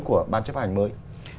của ban chấp hành mới